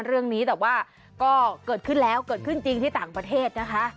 เรื่องนี้แต่ว่าก็เกิดขึ้นแล้วเกิดขึ้นจริงที่ต่างประเทศนะคะ